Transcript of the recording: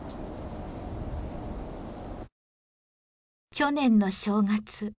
去年の正月。